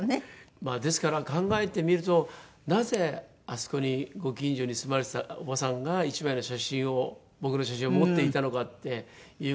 まあですから考えてみるとなぜあそこにご近所に住まわれてたおばさんが１枚の写真を僕の写真を持っていたのかっていう事。